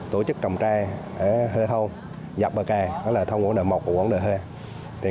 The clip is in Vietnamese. tổ chức trồng tre ở hơi thôn dọc bờ cà đó là thôn quảng đại một của quảng đại hai